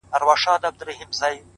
لاس زما مه نيسه چي اور وانـــخــلـې،